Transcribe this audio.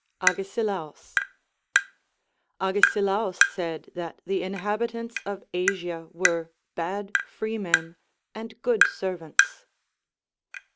Agesilaus. Agesilaus said that the inhabitants of Asm were bad freemen and good servants.